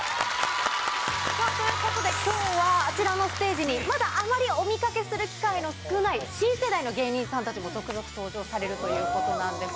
ということで、きょうはあちらのステージに、まだあまりお見かけする機会の少ない新世代の芸人さんたちも続々登場されるということなんです。